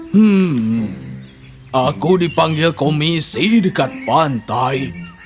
hmm aku dipanggil komisi dekat pantai